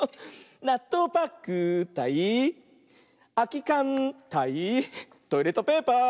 なっとうパックたいあきかんたいトイレットペーパー。